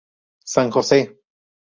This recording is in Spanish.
San Jose.